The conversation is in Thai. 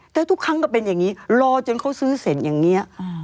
แต่ทุกครั้งก็เป็นอย่างนี้รอจนเขาซื้อเสร็จอย่างนี้